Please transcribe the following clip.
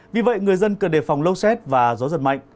vì vậy người dân cần đề phòng lốc xét và gió giật mạnh